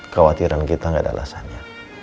kewatiran kita gak ada alasannya